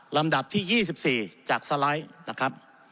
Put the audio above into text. ลำดับที่๒๔จากสไลด์นะครับ